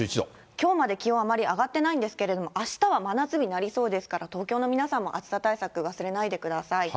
きょうまで気温あまり上がっていないんですけれども、あしたは真夏日になりそうですから、東京の皆さんも暑さ対策、忘れないでください。